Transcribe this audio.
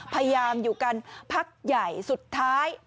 พยายามอยู่กันพักใหญ่สุดท้าย